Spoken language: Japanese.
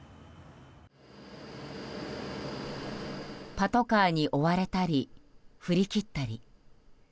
パトカーに追われたり振り切ったり。